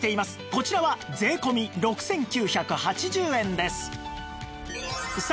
こちらは税込６９８０円です